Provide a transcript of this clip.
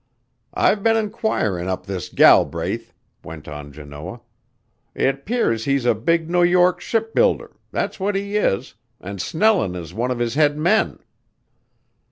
"I've been inquirin' up this Galbraith," went on Janoah. "It 'pears he's a big New York shipbuilder that's what he is an' Snellin' is one of his head men."